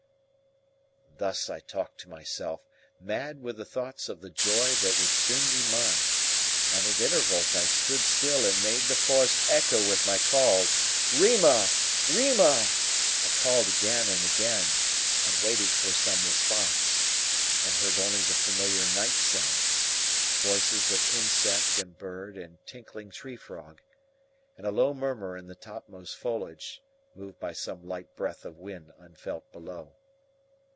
Thus I talked to myself, mad with the thoughts of the joy that would soon be mine; and at intervals I stood still and made the forest echo with my calls. "Rima! Rima!" I called again and again, and waited for some response; and heard only the familiar night sounds voices of insect and bird and tinkling tree frog, and a low murmur in the topmost foliage, moved by some light breath of wind unfelt below.